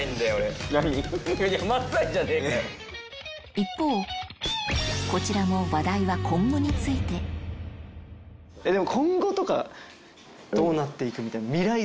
一方こちらも話題は今後についてやっぱでも。